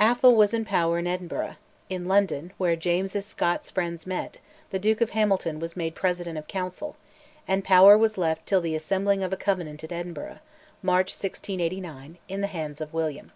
Atholl was in power in Edinburgh; in London, where James's Scots friends met, the Duke of Hamilton was made President of Council, and power was left till the assembling of a Convention at Edinburgh (March 1689) in the hands of William.